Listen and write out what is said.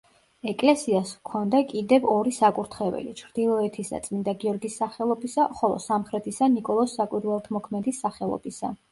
ეკლესიას ჰქონდა კიდევ ორი საკურთხეველი, ჩრდილოეთისა წმინდა გიორგის სახელობისა, ხოლო სამხრეთისა ნიკოლოზ საკვირველთმოქმედის სახელობისა.